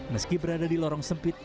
meski berada di lorong sempit